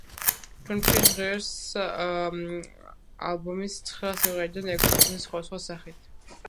ფილმში ჟღერს ალბომის ცხრა სიმღერიდან ექვსი, თუმცა სხვადასხვა სახით.